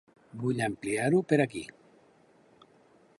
Vull ampliar-ho per aquí.